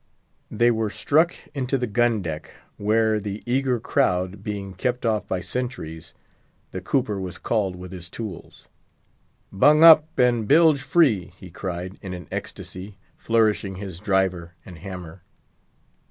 They were struck into the gun deck, where, the eager crowd being kept off by sentries, the cooper was called with his tools. "Bung up, and bilge free!" he cried, in an ecstasy, flourishing his driver and hammer.